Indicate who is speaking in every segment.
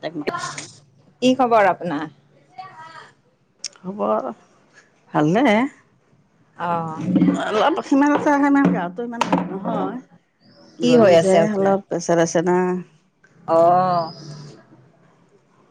Speaker 1: তাইক
Speaker 2: কি খবৰ আপোনাৰ?
Speaker 1: খবৰ ভালে
Speaker 2: অ',
Speaker 1: অলপ সিমান তাৰমানে গাতো ইমান ভাল নহয়
Speaker 2: কি
Speaker 1: গৰম
Speaker 2: হৈ
Speaker 1: যে
Speaker 2: আছে আপোনাৰ?
Speaker 1: অলপ প্ৰেচাৰ আছে না
Speaker 2: অ'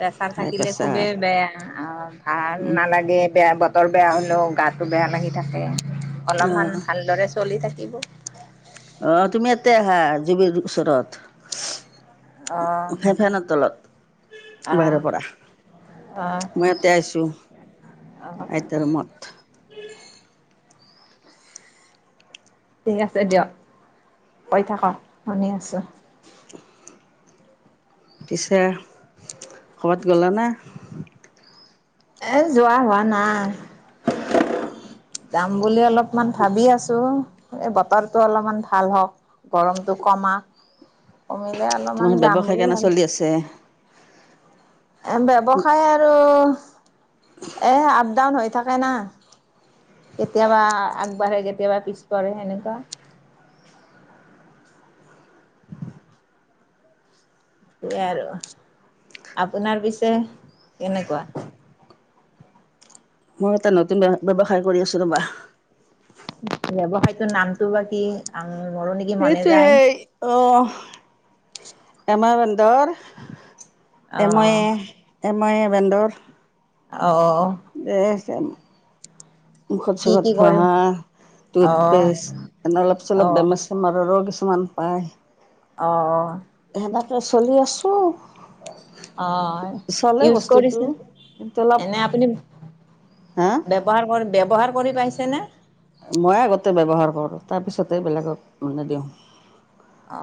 Speaker 2: প্ৰেছাৰ
Speaker 1: হাই
Speaker 2: থাকিলে
Speaker 1: প্ৰেছাৰ
Speaker 2: খুবেই বেয়া অ' ভাল নালাগে বেয়া ব বতৰ বেয়া হ'লেও গাটো বেয়া লাগি থাকে, অলপমান
Speaker 1: অঁ
Speaker 2: ভালদৰে চলি থাকিব।
Speaker 1: আহ তুমি এতে আহা জুবিৰ ওচৰত।
Speaker 2: অ',
Speaker 1: ফেফেনৰ তলত
Speaker 2: অ',
Speaker 1: বাহিৰৰ পৰা
Speaker 2: অ',
Speaker 1: মই ইয়াতে আছো
Speaker 2: অ',
Speaker 1: আইতাৰ ৰুমত।
Speaker 2: ঠিক আছে দিয়ক কৈ থাকাক শুনি আছো।
Speaker 1: পিছে ঘৰত গ'লা নে?
Speaker 2: এ যোৱা হোৱা নাই। যাম বুলি অলপমান ভাবি আছো, এই বতৰটো অলপমান ভাল হওঁক। গৰমতটো কমা কমিলে
Speaker 1: তোমাৰ
Speaker 2: অলপমান যাম
Speaker 1: ব্যৱসায়
Speaker 2: বুলি
Speaker 1: কেনে চলি
Speaker 2: ভাবছো
Speaker 1: আছে
Speaker 2: [inaudible] থাকে না কেতিয়াবা আগবাঢ়ে কেতিয়াবা পিছ পৰে সেনেকুৱা সেয়াই আৰু আপোনাৰ পিছে কেনেকুৱা
Speaker 1: মই এটা নতুন ব্য ব্যৱসায় কৰি আছো ৰবা।
Speaker 2: ব্যৱসায়ৰ টো নামটো বা কি? মোৰো নেকি মনে
Speaker 1: সেইটো
Speaker 2: যায়
Speaker 1: সেই আহ এমাৰ বন্দৰ
Speaker 2: অ
Speaker 1: এময়ে এময়ে বেন্দৰ
Speaker 2: অ'
Speaker 1: [unintelligible] মুখত
Speaker 2: কি
Speaker 1: চুখত
Speaker 2: কি কৰিম অ অ
Speaker 1: কিছুমান পায়
Speaker 2: অ অ
Speaker 1: সেনেকে চলি আছো
Speaker 2: অ ইউজ
Speaker 1: বস্তুটো
Speaker 2: কৰিছে
Speaker 1: কিন্তু অলপ
Speaker 2: এনে আপুনি
Speaker 1: হা
Speaker 2: ব্যৱহাৰ কৰি ব্যৱহাৰ কৰি পাইছে ন
Speaker 1: মই আগতে ব্যৱহাৰ কৰোঁ তাৰপিছতে বেলেগক মানে দিওঁ
Speaker 2: অ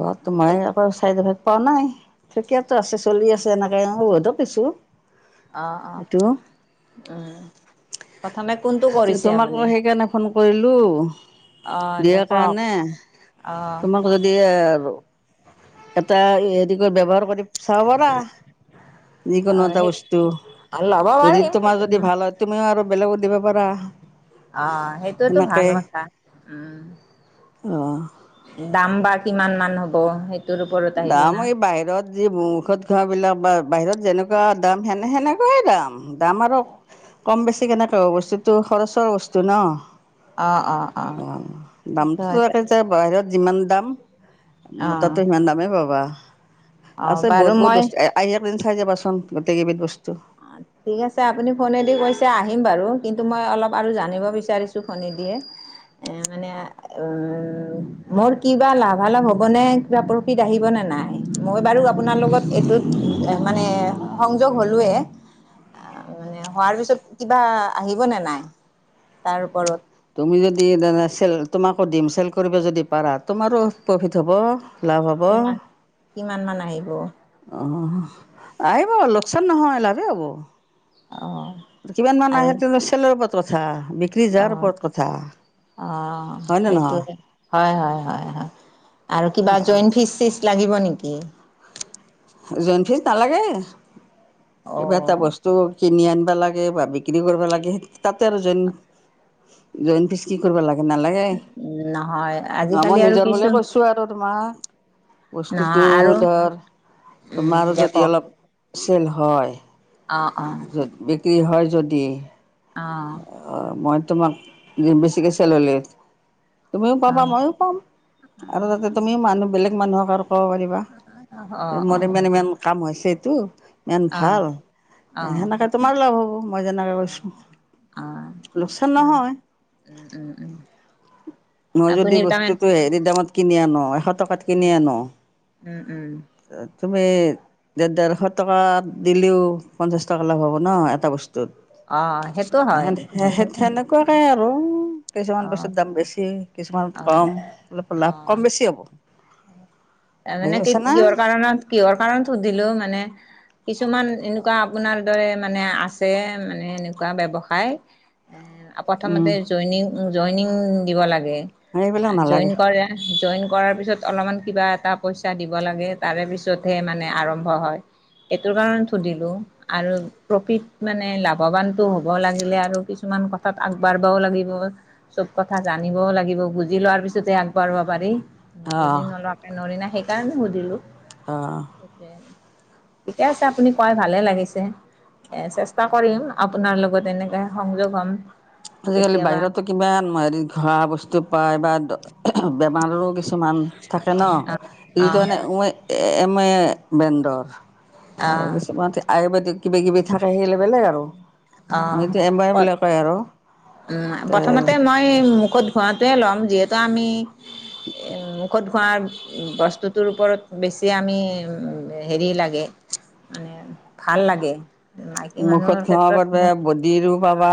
Speaker 1: ব
Speaker 2: এই
Speaker 1: তোমাৰ আকৌ চাইডফ পোৱা নাইকীয়াতো আছে চলি আছে এনেকে ধ পিছো
Speaker 2: আহ আহ উম প্ৰথমে কোনটো কৰিছে
Speaker 1: তোমাকো
Speaker 2: আপুনি
Speaker 1: সেইকাৰণে ফোন কৰিলো
Speaker 2: অ দে
Speaker 1: বিয়াৰ
Speaker 2: কওক
Speaker 1: কাৰণে
Speaker 2: অ
Speaker 1: তোমাক এ আৰু এটা হেৰি কৰি ব্যৱহাৰ কৰি চ পা যিকোনো
Speaker 2: অ',
Speaker 1: এটা
Speaker 2: সেই
Speaker 1: বস্তু
Speaker 2: ল'ব
Speaker 1: যদি
Speaker 2: পাৰিম
Speaker 1: তোমাৰ যদি
Speaker 2: উম,
Speaker 1: ভাল হয় তুমিও আৰু বেলেগো দিব পাৰা
Speaker 2: অ সেইটোয়েতো ভাল কথা উম
Speaker 1: অ
Speaker 2: দাম বা কিমান মান হ'ব স
Speaker 1: দাম এই বাহিৰত যি ঔষধ ঘৰাবিলাক বা বাহিৰত যেনেকুৱা দাম সেনে সেনেকুৱাই দাম দাম আৰু কম বেছি কেনেকা বস্তুতটো খৰচৰ বস্তু ন অ
Speaker 2: সেইটো
Speaker 1: দামটোতো
Speaker 2: এটা
Speaker 1: একে বাহিৰত যিমান দাম
Speaker 2: অ',
Speaker 1: মতাতটো সিমান দাম
Speaker 2: অ',
Speaker 1: আছে
Speaker 2: বাৰু
Speaker 1: বহুত বহুত
Speaker 2: মই
Speaker 1: বস্তু আহি পদিন চাই যাবাচোন গোটেই কেইবিধ বস্তু
Speaker 2: আ ঠিক আছে আপুনি ফোনেদি কৈছে আহিম বাৰু কিন্তু মই অলপ আৰু জানিব বিচাৰিছোঁ ফোনেদিয়ে এ মানে উ মোৰ কিবা লাভালাভ হব নে কিবা প্ৰফিট আহিব ন নাই মই বাৰু আপোনাৰ লগত এইটোত মানে সংযোগ হলোৱে মানে হোৱাৰ পিছত কিবা আহিবনেে নাই তাৰ ওপৰত
Speaker 1: তুমি যদি চেল তোমাকো দিম চেল কৰিব যদি পাৰা তোমাৰো প্ৰফিট হ'ব লাভ হ'ব
Speaker 2: কিমান কিমান মান আহিব
Speaker 1: অঁ আহিব লোকচান নহয় লভে হ'বৌ কিমান মান
Speaker 2: আৰু
Speaker 1: আহে তে চেলৰ ওপৰত কথা বিক্ৰী
Speaker 2: অ
Speaker 1: যাৰ ওপৰত কথা
Speaker 2: অ
Speaker 1: হয় নে
Speaker 2: সেইটোে
Speaker 1: নহয়?
Speaker 2: হয় হয় নে
Speaker 1: জোন ফিজ নালাগে
Speaker 2: অ
Speaker 1: কিবা এটা বস্তু কিনি আন আৰু জইন জইন ফিজ কি কৰিব লাগে নালাগে
Speaker 2: নহয়
Speaker 1: ন মই
Speaker 2: আজিকালি আৰু
Speaker 1: নিজৰ
Speaker 2: কিছু
Speaker 1: বুলিয়ে কৈছো আৰু তোমাক বস্তুটো
Speaker 2: নহয় আৰু
Speaker 1: ধৰ
Speaker 2: উম
Speaker 1: তোমাৰো
Speaker 2: দে
Speaker 1: যদি
Speaker 2: কওক
Speaker 1: অলপ চেল হয়
Speaker 2: অ অ
Speaker 1: যত বিক্ৰী হয় যদি
Speaker 2: অহ
Speaker 1: মই তোমাক বেছিকৈ চ ললে তুমিও
Speaker 2: অ
Speaker 1: পাবা ময়ো পাম আৰু তাতে তুমিও মানুহ বেলেগ মানুহক আৰু কব পাৰিবা
Speaker 2: অ
Speaker 1: মোৰ ইমান কাম হৈছে এইটো ইমান
Speaker 2: অ
Speaker 1: ভাল
Speaker 2: অ
Speaker 1: সেনেকে তোমাৰ লাভ হ'ব মই যেনেকে কৈছো
Speaker 2: আহ ন উ উম উম
Speaker 1: মই
Speaker 2: আপুনি
Speaker 1: যদি
Speaker 2: তাৰমানে
Speaker 1: বস্তুতটো হেৰি দামত কিনি আনো এশ টকাত কিনি আনো
Speaker 2: উম উম
Speaker 1: তুমি দেৰ ডেৰশ টকাত দিলেও পঞ্চাশ টকা লাভ হ'ব ন এটা বস্তু
Speaker 2: অ', সেইটো হয় সেনেকুৱা
Speaker 1: সেনেকুৱাকে আৰু কিছুমান পিছত
Speaker 2: অ',
Speaker 1: দাম বেছি কিছুমান
Speaker 2: অ',
Speaker 1: কম
Speaker 2: ত
Speaker 1: বুজি
Speaker 2: মানে কি
Speaker 1: পাইছা না
Speaker 2: কিহৰ কাৰণত কিহৰ কাৰণত সুধিলো মানে কিছুমান এনেকুৱা আপোনাৰ দৰে মানে আছে উম প্ৰথমতে
Speaker 1: উম।
Speaker 2: জইং জইনিং দিব লাগে
Speaker 1: সেইবিলাক
Speaker 2: জইন
Speaker 1: নালাগে
Speaker 2: কৰে জইন কৰাৰ পিছত অলপমান কিবা এটা পইচা দিব লাগে তাৰে পিছতহে মানে আৰম্ভ হয় এইটো কাৰণ সুধিলো আৰু প্ৰফিত মানে লাভৱানতটো হ'ব লাগিলে আৰু কিছুমান ইমান কথাত আগবাঢ়বাও লাগিব চব কথা জানিবও লাগিব বুজি লোৱাৰ পিছতে আগবাঢ়াব পাৰি বুজি
Speaker 1: অঁ
Speaker 2: নোলোৱাকে নোৱাৰি না সেইকাৰণে সুধিলো
Speaker 1: আহ
Speaker 2: সেইটোৱে ঠিকে আছে আপুনি কয় ভালে লাগিছে এ চেষ্টা কৰিম আপোনাৰ লগত এনেকে সংযোগ হ'ম
Speaker 1: আজিকালি
Speaker 2: কেতিয়াবা
Speaker 1: বাহিৰতো কিমান হেৰি ঘৰা বস্তু পায় বা বেমাৰৰো কিছুমান থাকে ন
Speaker 2: অ অ
Speaker 1: এইটো তানই এ এম বেডৰ
Speaker 2: অ
Speaker 1: আৰু কিছুমান আয়ুৰ্বেদিক কিবা কিবি থাকে সেইিলে বেলেগ আৰু
Speaker 2: অ
Speaker 1: মইটো এমবাৰবিলাক কয় আৰু
Speaker 2: উম
Speaker 1: তে
Speaker 2: প্ৰথমতে মই মুখত ঘোৱটোৱে লম যিহেতু আমি এ মুখত ঘঁহা বস্তুটোৰ ওপৰত বেছি আমি হেৰি লাগে মানে ভাল লাগে মাইকী মানুহৰ ক্ষেত্ৰত
Speaker 1: তাৰ বডীৰো পাবা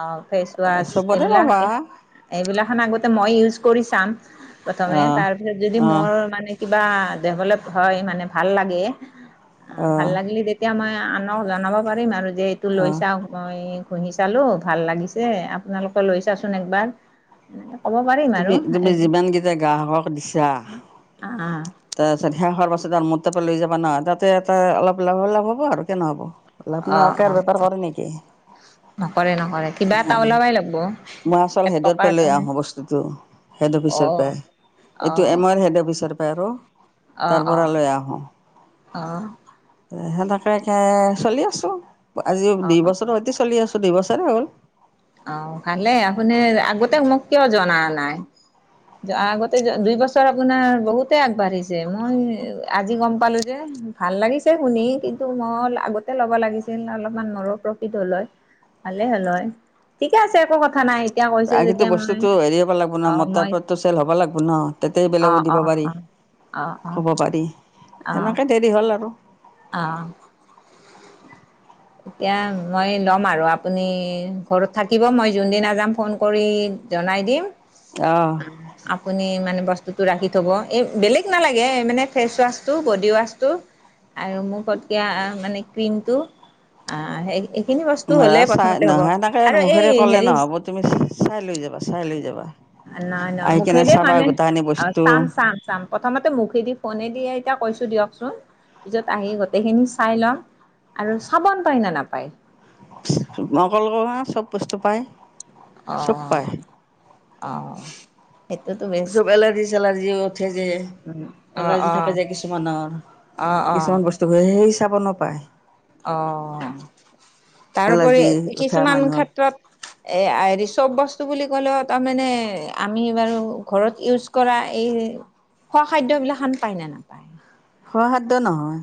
Speaker 2: অ ফেচৱাচ
Speaker 1: চবতে
Speaker 2: এইবিলাক
Speaker 1: পাবা
Speaker 2: এইবিলাক খন আগতে মই ইউজ কৰি চাম প্ৰথমে
Speaker 1: অঁ
Speaker 2: তাৰপিছত যদি
Speaker 1: অঁ
Speaker 2: মোৰ মানে কিবা ডেভলেপ হয় মানে ভাল লাগে ভাল
Speaker 1: অঁ
Speaker 2: লাগিলে তেতিয়া মই আনক জনাব পাৰিম আৰু যে এইটো লৈ
Speaker 1: অঁ
Speaker 2: চাওঁক মই ঘুহি চালোঁ ভাল লাগিছে আপোনালোকে লৈছাচোন একবাৰ এনে
Speaker 1: তুমি তুমি যিমানকেইটা গ্ৰাহকক দিছা
Speaker 2: অ অ'।
Speaker 1: তাৰপাছত সেয়া হোৱাৰ পাছত আৰু মোৰ তাৰ পৰা লৈ যাব তাতে এটা অলপ লাভ লাভ হ'ব আৰু কিয় নহ'ব লাভ
Speaker 2: অ',
Speaker 1: নহাকে আৰু
Speaker 2: অ',
Speaker 1: বেপাৰ কৰে নেকি
Speaker 2: নকৰে নকৰে
Speaker 1: অ
Speaker 2: কিবা এটা ওলাবাই লাগব।
Speaker 1: মই আচল
Speaker 2: এক টকা
Speaker 1: হেদতপে লৈ
Speaker 2: এটা নে
Speaker 1: আহো বস্তু হেড অফিচৰ পে
Speaker 2: অ',
Speaker 1: এইটো
Speaker 2: অ',
Speaker 1: এমৰ হেড অফিচৰ পায় আৰু
Speaker 2: অ', অ',
Speaker 1: তাৰপৰা লৈ আহো
Speaker 2: অ',
Speaker 1: সেনেকে কে চলি আছোঁ আজি দুই
Speaker 2: অ',
Speaker 1: বছৰো সৈতি চলি আছোঁ টো দুইবছৰে হ'ল
Speaker 2: আহ ভালে আপুনি আগতে মোক কিয় জনায়া নাই আগতে দুই বছৰ আপোনাৰ বহুতে আগবাঢ়িছে মই আজি গম পালোঁ যে ভাল লাগিছে শুনি কিন্তু মই আগতে ল'ব লাগিছিল অলপমান মোৰো প্ৰফিত হ'ল হয় ভালে হ'ল হয় ঠিকে আছে একো কথা নাই এতিয়া কৈছে
Speaker 1: আ কিন্তু
Speaker 2: যেতিয়া মই
Speaker 1: বস্তুতটো হেৰি হ'ব লাগিব ন
Speaker 2: অ',
Speaker 1: মোৰতাৰ
Speaker 2: মই
Speaker 1: পাৰেটো চেল হ'ব লাগিব ন তেতিয়াহে বেলেগগ
Speaker 2: অ',
Speaker 1: দিব
Speaker 2: অ',
Speaker 1: পাৰি
Speaker 2: অ', অ', অ',
Speaker 1: কব পাৰি
Speaker 2: অ'।
Speaker 1: সেনেকে দেৰি হ'ল আৰু
Speaker 2: অ এতিয়া মই ল'ম আৰু আপুনি ঘৰত থাকিব মই যোন দিনা যাম ফোন কৰি জনাই দিম
Speaker 1: অঁ
Speaker 2: আপুনি মানে বস্তু টো ৰাখি থব এই বেলেগ নালাগে মানে ফেচ ৱাচটো বডি ৱাচটো আৰু মোখটদিয়া মানে ক্ৰীমটো আহ
Speaker 1: অ চাই নহয় হেনেকে
Speaker 2: এই
Speaker 1: মুখেৰে কলে
Speaker 2: হেৰি
Speaker 1: নহ'ব তুমি চাই লৈ যাবা চাই লৈ যাবা
Speaker 2: নাই নহয়
Speaker 1: আহি
Speaker 2: মুখে
Speaker 1: কেনে
Speaker 2: দি
Speaker 1: চাবা
Speaker 2: মানে
Speaker 1: গোটাখিনি
Speaker 2: অ
Speaker 1: বস্তু
Speaker 2: চাম চাম চাম প্ৰথমতে মুখেদি ফোনে দি কৈছোঁ দিয়কচোন পিছত আহি গোটেইখিনি চাই লম আৰু সাৱান পায় নে নাপায়
Speaker 1: মই কলো নহয় চব বস্তু পায় চব
Speaker 2: অহ
Speaker 1: পায়
Speaker 2: অহ
Speaker 1: চব এলাৰ্জি চেলাৰ্জি উঠে যে
Speaker 2: উম, অ',
Speaker 1: এলাৰ্জি
Speaker 2: অ',
Speaker 1: থাকে যে কিছুমানৰ
Speaker 2: অ', অ',
Speaker 1: কিছুমান বস্তু ঘহে সেই চাবনো পায়
Speaker 2: অ তাৰোপৰি
Speaker 1: এলাৰ্জি উঠা
Speaker 2: কিছুমান
Speaker 1: মানুহক
Speaker 2: ক্ষেত্ৰত এই হেৰি চব বস্তু বুলি ক'লেও তাৰমানে আমি বাৰু ঘৰত ইউজ কৰা এই খোৱা খাদ্যবিলাক শান পায় নে নাপায়
Speaker 1: খোৱা খাদ্য নহয়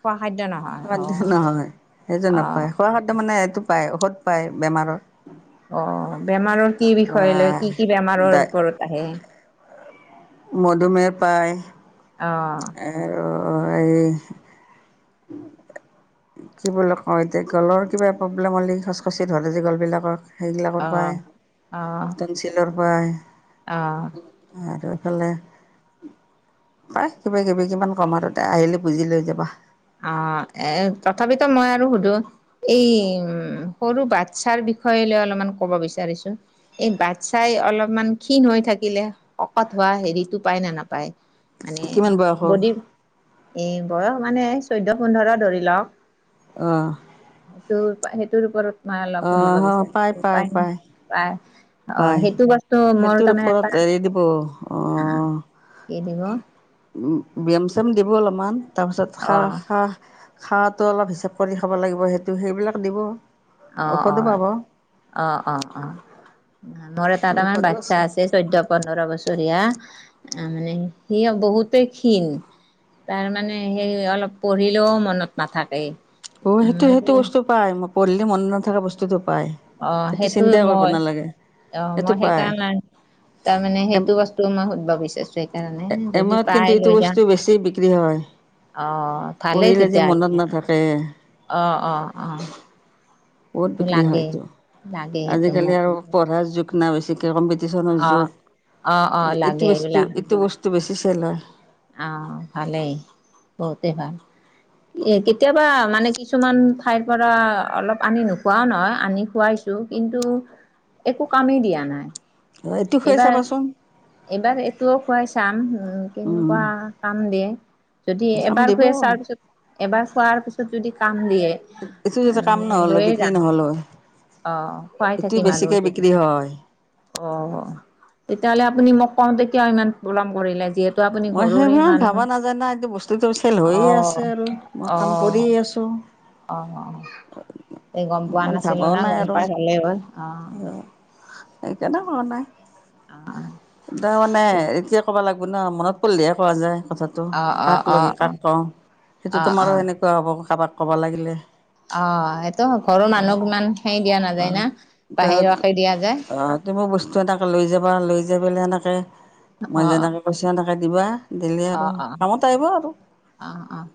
Speaker 2: খোৱা খাদ্য নহয় অ',
Speaker 1: নহয় সেইটো নাপায়
Speaker 2: অ'।
Speaker 1: খোৱা খাদ্য মানে এইটো পায় ঔষধ পায় বেমাৰৰ
Speaker 2: অ বেমাৰৰ কি বিষয় লয় কি কি বেমাৰৰ
Speaker 1: বা
Speaker 2: ওপৰত আহে
Speaker 1: মধুমেহ পায়
Speaker 2: আহ
Speaker 1: হয় এই
Speaker 2: [unintelligible]
Speaker 1: কি বুলি কওঁ এতিয়া গলৰ কিবা প্ৰব্লেম হ'ললে খচখচি ধৰে যে গলবিলাকৰ সেইবিলাকৰ
Speaker 2: অ',
Speaker 1: পায়
Speaker 2: অ',
Speaker 1: টনঞ্চিলৰ পায়
Speaker 2: অ'।
Speaker 1: আৰু ইফালে পায় কিবা কিবি কিমান কম আৰু আহিলে পুজি লৈ যাবা
Speaker 2: অ এ তথাপিতো মই আৰু সুধো এই উ সৰু বাচ্ছাৰ বিষয়ে লৈ অলপমান ক'ব বিচাৰিছোঁ এই বাচ্ছাই অলপমান ক্ষীণ হৈ থাকিলে শকত হোৱা হেৰিতটো পায় নে নাপায় মানে
Speaker 1: কিমান বয়সৰ
Speaker 2: বদি এ বয়স মানে চৈধ্য পোন্ধৰ ধৰি লওক
Speaker 1: আহ।
Speaker 2: সেইটো সেইটোৰ ওপৰত মই অলপ সুধিব
Speaker 1: পায়
Speaker 2: বিচাৰিছো
Speaker 1: পায়
Speaker 2: উপাই নাই।
Speaker 1: পায়
Speaker 2: পাই অ
Speaker 1: পায়
Speaker 2: সেইটো বস্তু মোৰ
Speaker 1: সেইটোৰ
Speaker 2: তাৰমানে
Speaker 1: ওপৰত হেৰি দিব
Speaker 2: অ কি দিব?
Speaker 1: ব্যায়াম চিয়াম দিব অলপমান তাৰপিছত
Speaker 2: অ
Speaker 1: খা খা খাৰটো অলপ হিচাপ কৰি খাব লাগিব সেইটো সেইবিলাক দিব
Speaker 2: অ অ
Speaker 1: ঔষধো পাব।
Speaker 2: অ' অ' অ'। নহলে এটাাত আমাৰ বাচ্ছা আছে চৈধ্যয় পোন্ধৰ বছৰীয়া। আ মানে সি বহুতে ক্ষীণ। তাৰমানানে সেই অলপ পঢ়িলেও মনত নাথাকেই।
Speaker 1: অ সেইটো সেইটো বস্তু পাই মই পঢ়িলি মনত নথকা বস্তুতটো
Speaker 2: অ সেইটোে মই অ
Speaker 1: সেইটো
Speaker 2: মই
Speaker 1: পায়
Speaker 2: সেইকাৰণে তাৰমানে
Speaker 1: এম
Speaker 2: সেইটো বস্তু মই সুধব বিচাৰিছো সেইকাৰণে যদি
Speaker 1: এমত
Speaker 2: পাই
Speaker 1: কিন্তু এইটো
Speaker 2: লৈ যাাম।
Speaker 1: বস্তু বেছি বিক্ৰী হয়
Speaker 2: অ ভালেই
Speaker 1: পঢ়িলে যে
Speaker 2: তেতিয়াহ'লে
Speaker 1: মনত নাথাকে
Speaker 2: অ' অ' অ'।
Speaker 1: বহুত
Speaker 2: সেইটো
Speaker 1: বিক্ৰী
Speaker 2: লাগে
Speaker 1: হয়তটো
Speaker 2: লাগে সেইটো
Speaker 1: আজিকালি
Speaker 2: মোক
Speaker 1: আৰু পঢ়া যু কম্পিটিচনৰ
Speaker 2: অ অ অ
Speaker 1: যুগ
Speaker 2: লাগে
Speaker 1: এইটো বস্তু এইটো বস্তু বেছি চালে হৈ।
Speaker 2: আহ ভালেই বহুতেই ভাল। এ কেতিয়াবা মানে কিছুমান ঠাইৰ পৰা অলপ আনি নোখোৱাও নহয় আনি খুৱাই কিন্তু একো কামেই দিয়া নাই।
Speaker 1: এইটো খুৱাই
Speaker 2: এইবাৰ
Speaker 1: চাবাচোন
Speaker 2: এইবাৰ এইটোও খুৱাই চাম উ কিন্তু
Speaker 1: উম
Speaker 2: কাম দিয়ে যদি
Speaker 1: কাম
Speaker 2: এবাৰ শ
Speaker 1: দিব
Speaker 2: চাৰ পিছত এবাৰ খোৱাৰ পিছত যদি ক দিয়ে
Speaker 1: এইটো
Speaker 2: উম
Speaker 1: যাতে কাম
Speaker 2: মানে
Speaker 1: নহ'ল হয়
Speaker 2: লৈ
Speaker 1: বিক্ৰী
Speaker 2: যাম।
Speaker 1: নহ'ল হয়
Speaker 2: অ খাই
Speaker 1: এইটো
Speaker 2: থাকিম আৰু
Speaker 1: বেছিকৈ
Speaker 2: য
Speaker 1: বিক্ৰী হয়
Speaker 2: অ তেতিয়াহ'লে আপুনি মোক কওঁতেতিও ইমান পলম কৰিলে যিহেতু আপু
Speaker 1: মই সেইবে ভবা নাজানা এইটো বস্তুটো চেল
Speaker 2: অ
Speaker 1: হৈয়ে আছে আৰু মই কাম কৰিয়ে আছোঁ
Speaker 2: অ অ। এই গম পোৱা
Speaker 1: ইমান
Speaker 2: নাছিলো
Speaker 1: ভাবাও
Speaker 2: না
Speaker 1: নাই
Speaker 2: গম
Speaker 1: আৰু
Speaker 2: পাই ভালেই হ'ল অ।
Speaker 1: সেইকাৰণে হোৱা নাই।
Speaker 2: অ', অ',
Speaker 1: তাৰ মানে এতিয়া ক'বা লাগিবো ন মনত পৰিলেহে কোৱা যায়। কথাটো
Speaker 2: অ',
Speaker 1: কাক
Speaker 2: অ',
Speaker 1: লগি
Speaker 2: অ',
Speaker 1: কাক কওঁ সেইটো
Speaker 2: অ', অ',
Speaker 1: তোমাৰো সেনেকুৱা হ'ব কাৰোবাক ক'বা লাগিলে।
Speaker 2: অ এইটো ঘৰৰ মানুহক ইমান সেইৰি দিয়া নাযায়
Speaker 1: অ',
Speaker 2: না।
Speaker 1: ত
Speaker 2: বাহিৰকে দিয়া যায়
Speaker 1: অ তুমি বস্তু এটাক লৈ যাবা লৈ যা সেনেকে মই
Speaker 2: অ',
Speaker 1: যেনেকৈ কৈছোঁ সেনেকে দিবা। দিলে আৰু
Speaker 2: অ', অ',
Speaker 1: কামত আহিব আৰু।
Speaker 2: অ', অ',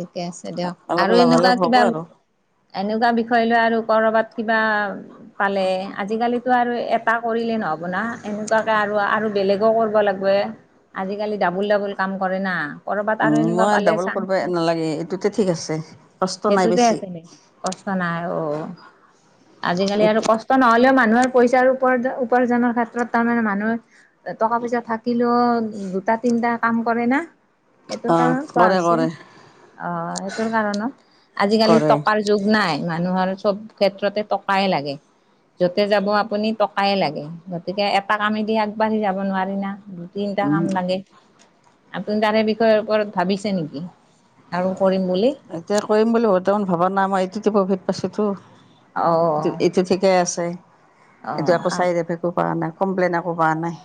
Speaker 2: ঠিকে আছে দিয়ক
Speaker 1: অলপ
Speaker 2: আৰু এনেকুৱা
Speaker 1: লাভালাভ হ'ব
Speaker 2: কিবা
Speaker 1: আৰু।
Speaker 2: এনেকুৱা বিষয় লৈ আৰু কৰবাত কিবা পালে আজিকালিতো আৰু এটা কৰিলেই নহ'ব না এনেকুৱাকে আৰু আৰু বেলেগো কৰিব লাগিব আজিকালি ডাবুল ডাবল কাম কৰে না। কৰ'ৰবাত আৰু
Speaker 1: উম,
Speaker 2: এনেকুৱা
Speaker 1: মই
Speaker 2: পালে
Speaker 1: ডাবল
Speaker 2: চাম।
Speaker 1: কৰিব নালাগে এইটোতে ঠিক আছে কষ্ট নাই
Speaker 2: সেইটোতে
Speaker 1: বেছি।
Speaker 2: আছে নে কষ্ট নাই আৰু। আজিকালি আৰু
Speaker 1: এইটো
Speaker 2: কষ্ট নহলেও মানুহৰ পইচাৰ উপ উপাৰ্জনৰ ক্ষেত্ৰত তাৰমানে মানুহে টকা পইচা থাকিলেও দুটা তিনিটা কাম কৰে না সেইটো
Speaker 1: অ'
Speaker 2: কাৰণ পোৱা
Speaker 1: কৰে
Speaker 2: হৈছে।
Speaker 1: কৰে
Speaker 2: অ সেইটোৰ কাৰণত আজিকালি
Speaker 1: কৰে।
Speaker 2: টকাৰ যুগ নাই। মানুহৰ চব ক্ষেত্ৰতে টকাই লাগে। য'তে যাব আপুনি টকাই লাগে গতিকে এটা কামেদি আগবাঢ়ি যাব নোৱাৰি না। তিনিটা কাম
Speaker 1: উম,
Speaker 2: লাগে আপু তাৰে বিষয়ে ওপৰত ভাবিছে নেকি? আৰু কৰিম বুলি
Speaker 1: এতিয়া কৰিম বুলি ব তমান ভবা নাই মই এইটোতো প্ৰভিিত পাইছোতো
Speaker 2: অ
Speaker 1: এইটো ঠিকেই আছে এইটো আকৌ
Speaker 2: অ
Speaker 1: চাইডফ একো পৰা নাই। কমপ্লেইন একো পোৱা নাই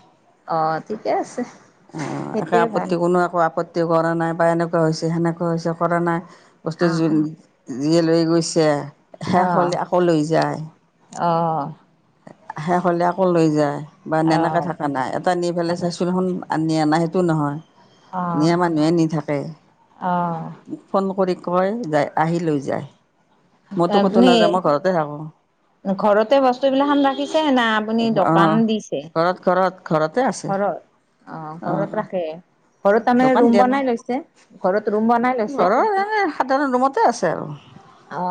Speaker 2: অ', ঠিকে আছে
Speaker 1: অ একে
Speaker 2: সেইটোৱে ভাল
Speaker 1: আপত্তি কোনো একো আপত্তি কৰা নাই বা এনেকুৱা হৈছে সেনেকুৱা হৈছে কৰা নাই বস্তু
Speaker 2: অ', অ',
Speaker 1: যিয়ে লৈ গৈছে শেষ হ'লে আকৌ লৈ যায়।
Speaker 2: অঁ।
Speaker 1: শেষ হলে আকৌ লৈ যায় বা এেনেকে
Speaker 2: অ',
Speaker 1: থকা নাই এটা নি পেলাই চাইচোনখনুন আনি অনা
Speaker 2: অ',
Speaker 1: সেই
Speaker 2: অ',
Speaker 1: [unintelligible] কয় যায় আহি লৈ যায়। মইতো ক'তো
Speaker 2: আপনি,
Speaker 1: নাযাওঁ মই ঘৰতে থাকোঁ
Speaker 2: ঘৰতে বস্তু বিলাক ৰাখিছে। আছে নাই আপুনি দোকান
Speaker 1: অঁ
Speaker 2: দিছে
Speaker 1: ঘৰত ঘৰত ঘৰতে আছে
Speaker 2: ঘৰত। অ
Speaker 1: অঁ
Speaker 2: ঘৰত ৰাখে। ঘৰত তাৰমানে
Speaker 1: দোকান
Speaker 2: ৰুম
Speaker 1: দিয়া নাই
Speaker 2: বনাই লৈছে। ঘৰত ৰুম বনাই লৈছে।
Speaker 1: ঘৰৰ এনে সাধাৰণ ৰুমতে আছে আৰু
Speaker 2: অ',